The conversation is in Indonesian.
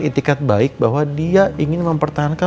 itikat baik bahwa dia ingin mempertahankan